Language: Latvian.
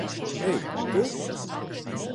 Ei, tu!